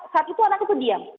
saat itu anaknya itu diam